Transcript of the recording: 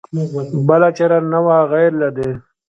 بله چاره نه وه غیر له دې.